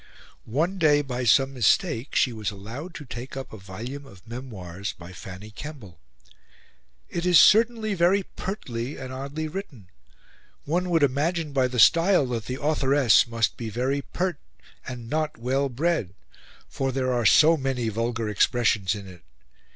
One day, by some mistake, she was allowed to take up a volume of memoirs by Fanny Kemble. "It is certainly very pertly and oddly written. One would imagine by the style that the authoress must be very pert, and not well bred; for there are so many vulgar expressions in it.